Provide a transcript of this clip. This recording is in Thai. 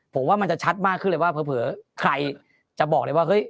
ผมว่ามันจะชัดมากขึ้นเลยว่าเผลอใครจะบอกเลยว่าเฮ้ย